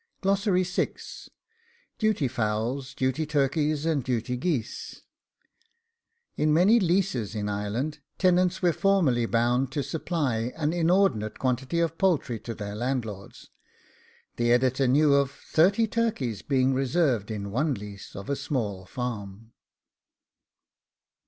DUTY FOWLS, DUTY TURKEYS, AND DUTY GEESE. In many leases in Ireland, tenants were formerly bound to supply an inordinate quantity of poultry to their landlords. The Editor knew of thirty turkeys being reserved in one lease of a small farm.